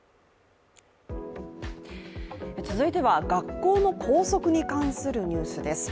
続いては、学校の校則に関するニュースです。